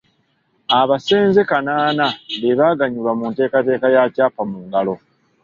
Abasenze kanaana be baaganyulwa mu nteekateeka ya Kyapa mu ngalo.